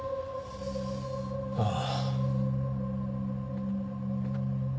ああ。